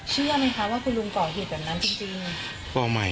เชื่อไหมคะว่าคุณลุงก่อเหตุแบบนั้นจริง